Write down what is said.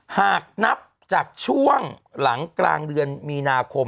หากนับจากช่วงหลังกลางเดือนมีนาคม